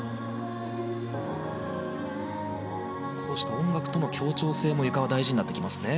音楽との協調性もゆかは大事になってきますね。